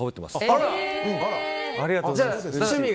ありがとうございます。